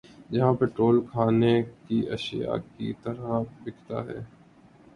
جہاں پیٹرول کھانے کی اشیا کی طرح بِکتا ہے